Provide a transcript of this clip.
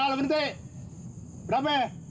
kalau ke teman kan